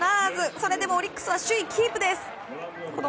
それでもオリックスは首位キープです。